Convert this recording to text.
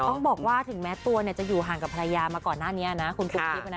ต้องบอกว่าถึงแม้ตัวเนี่ยจะอยู่ห่างกับภรรยามาก่อนหน้านี้นะคุณปุ๊กกิ๊บนะ